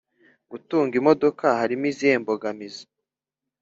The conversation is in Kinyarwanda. gutunga imodomoka harimo izihe mbogamizi